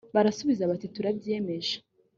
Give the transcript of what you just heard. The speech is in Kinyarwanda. barasubiza bati turabyiyemeje